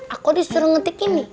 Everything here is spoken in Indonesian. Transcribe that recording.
aku disuruh ngetik ini